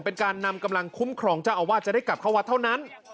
เป็นการนำกำลังคุ้มครองเจ้าอาวาสจะได้กลับเข้าวัดเท่านั้น